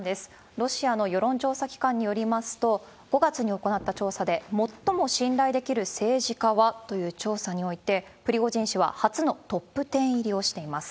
ロシアの世論調査機関によりますと、５月に行った調査で最も信頼できる政治家はという調査において、プリゴジン氏は初のトップ１０入りをしています。